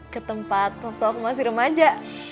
ketempat waktu aku masih remaja